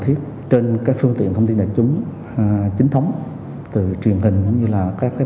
thiết trên các phương tiện thông tin đại chúng chính thống từ truyền hình cũng như là các